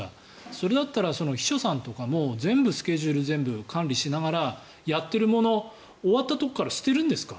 それだったら秘書さんとか全部スケジュール管理しながらやっている、終わったところから捨てるんですか？